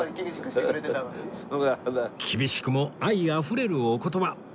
厳しくも愛あふれるお言葉